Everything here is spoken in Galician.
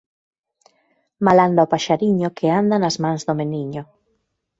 Mal anda o paxariño que anda nas mans do meniño